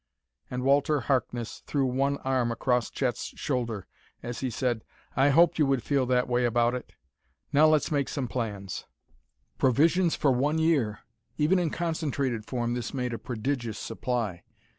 And Walter Harkness threw one arm across Chet's shoulder as he said; "I hoped you would feel that way about it. Now let's make some plans." Provisions for one year! Even in concentrated form this made a prodigious supply.